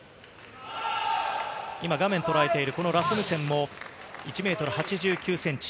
今、画面がとらえてるラスムセンも１ｍ８９ｃｍ。